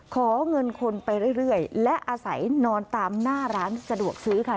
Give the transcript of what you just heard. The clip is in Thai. ขอเงินคนไปเรื่อยและอาศัยนอนตามหน้าร้านสะดวกซื้อค่ะ